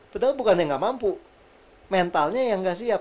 padahal bukannya gak mampu mentalnya yang gak siap